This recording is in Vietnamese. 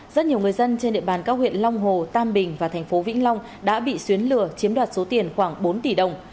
rất nhiều người dân trên địa bàn các huyện long hồ tam bình và thành phố vĩnh long đã bị xuyến lừa chiếm đoạt số tiền khoảng bốn tỷ đồng